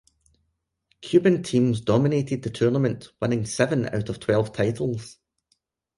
Cuban teams dominated the tournament, winning seven out of twelve titles.